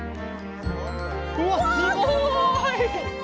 うわすごい。